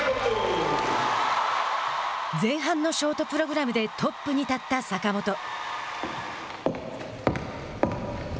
前半のショートプログラムでトップに立った坂本。